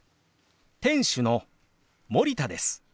店主の森田です。